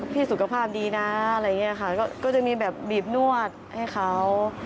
สุขภาพดีนะอะไรอย่างนี้ค่ะก็จะมีแบบบีบนวดให้เขา